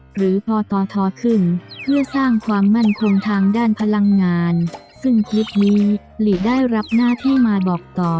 พตทขึ้นเพื่อสร้างความมั่นคงทางด้านพลังงานซึ่งคลิปนี้หลีได้รับหน้าที่มาบอกต่อ